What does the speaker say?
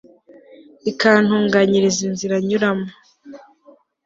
ikantunganyiriza inzira nyuramo